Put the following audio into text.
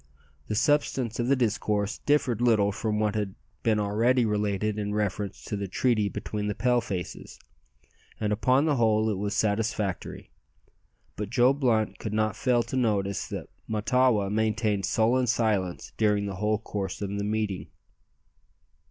The substance of the discourse differed little from what has been already related in reference to the treaty between the Pale faces, and upon the whole it was satisfactory. But Joe Blunt could not fail to notice that Mahtawa maintained sullen silence during the whole course of the meeting.